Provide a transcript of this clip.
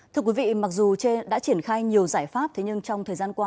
thưa quý vị mặc dù đã triển khai nhiều giải pháp thế nhưng trong thời gian qua